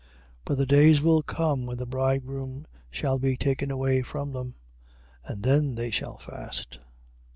But the days will come, when the bridegroom shall be taken away from them, and then they shall fast.